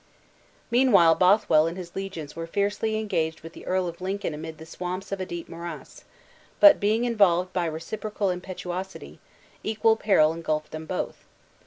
Meanwhile Bothwell and his legions were fiercely engaged with the Earl of Lincoln amid the swamps of a deep morass; but being involved by reciprocal impetuousity, equal peril engulfed them both.